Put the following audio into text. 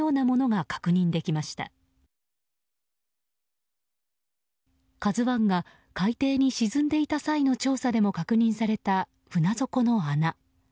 「ＫＡＺＵ１」が海底に沈んでいた際の調査でも確認された船底の穴。